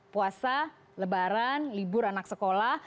puasa lebaran libur anak sekolah